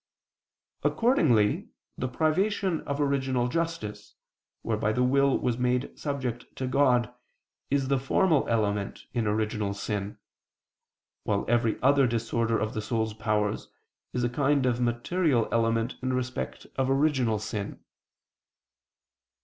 Accordingly the privation of original justice, whereby the will was made subject to God, is the formal element in original sin; while every other disorder of the soul's powers, is a kind of material element in respect of original sin.